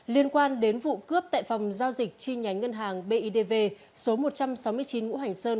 liên quan đến vụ cướp tại phòng giao dịch chi nhánh ngân hàng bidv số một trăm sáu mươi chín ngũ hành sơn